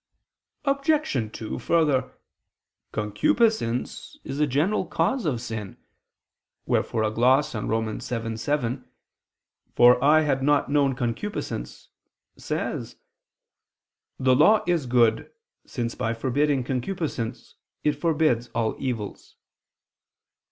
Obj. 2: Further, concupiscence is a general cause of sin; wherefore a gloss on Rom. 7:7, "For I had not known concupiscence," says: "The law is good, since by forbidding concupiscence, it forbids all evils."